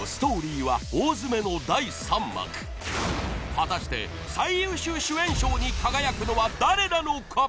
［果たして最優秀主演賞に輝くのは誰なのか？］